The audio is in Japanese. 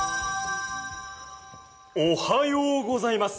おはようございます。